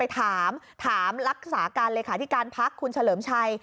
ถามรักษาการเลยค่ะที่การพักคุณเฉลิมชัย